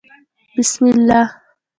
بسم الله